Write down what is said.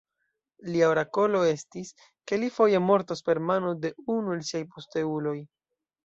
Lia orakolo estis, ke li foje mortos per mano de unu el siaj posteuloj.